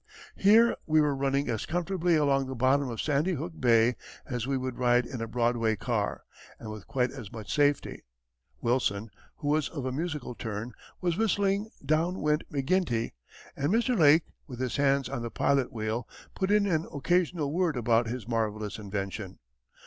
Here we were running as comfortably along the bottom of Sandy Hook Bay as we would ride in a Broadway car, and with quite as much safety. Wilson, who was of a musical turn, was whistling Down Went McGinty, and Mr. Lake, with his hands on the pilot wheel, put in an occasional word about his marvellous invention.